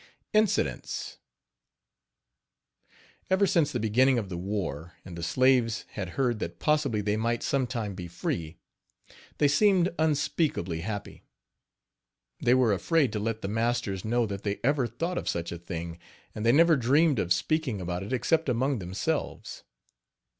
INCIDENTS. Ever since the beginning of the war, and the slaves had heard that possibly they might some time be free, they seemed unspeakably happy. They were afraid to let the masters know that they ever thought of such a thing, and they never dreamed of speaking about it except among themselves.